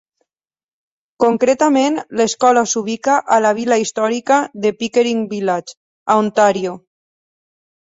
Concretament, l'escola s'ubica a la vila històrica de Pickering Village, a Ontario.